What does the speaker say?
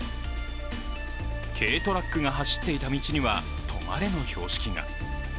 軽トラックが走っていた道には「止まれ」の標識が。